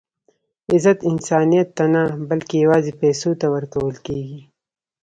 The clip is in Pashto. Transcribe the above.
عزت انسانیت ته نه؛ بلکي یوازي پېسو ته ورکول کېږي.